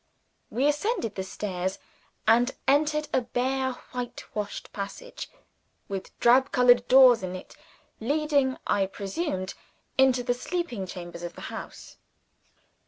We ascended the stairs, and entered a bare white washed passage, with drab colored doors in it, leading, as I presumed, into the sleeping chambers of the house.